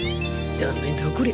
ダメだこりゃ